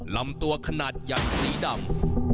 ลำตัวขนาดใหญ่สีดำ